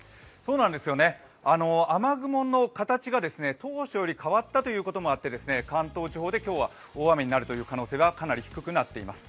雨雲の形が当初より変わったということもあって関東地方で今日は大雨になる可能性はかなり低くなっています。